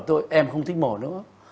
tôi em không thích mổ nữa